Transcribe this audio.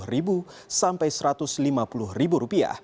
rp lima sampai rp satu ratus lima puluh